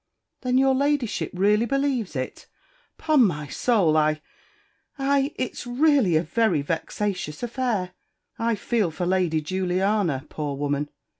"Then your Ladyship really believes it. 'Pon my soul, I I it's really a very vexatious affair. I feel for Lady Juliana, poor woman!